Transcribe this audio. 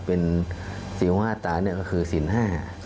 เป็นสีหูห้าตานี่ก็คือสินห้า